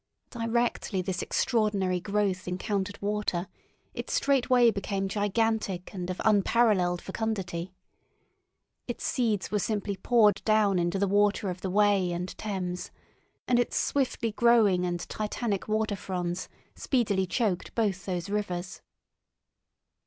Directly this extraordinary growth encountered water it straightway became gigantic and of unparalleled fecundity. Its seeds were simply poured down into the water of the Wey and Thames, and its swiftly growing and Titanic water fronds speedily choked both those rivers.